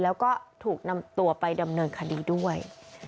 แล้วก็ถูกนำตัวไปดำเนินคดีด้วย